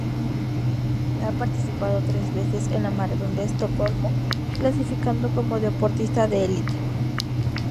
Ha participado tres veces en la Maratón de Estocolmo, clasificando como deportista de elite.